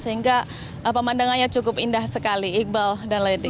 sehingga pemandangannya cukup indah sekali iqbal dan lady